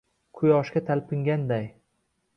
Quyoshga talpinganday